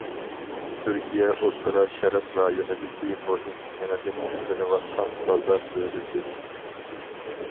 تۈركىيە ئوتتۇرا شەرق رايونىدىكى مۇھىم يېڭىدىن گۈللىنىۋاتقان بازار دۆلىتى.